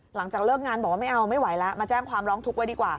หลังจากเลิกงานบอกว่าไม่เอาไม่ไหวแล้วมาแจ้งความร้องทุกข์ไว้ดีกว่า